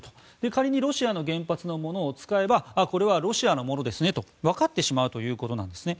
仮にロシアの原発のものを使えばこれはロシアのものですねとわかってしまうということなんですね。